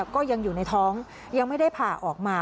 ก็ยังอยู่ในท้องยังไม่ได้ผ่าออกมา